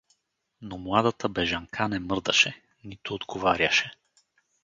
Но младата бежанка не мърдаше, нито отговаряше.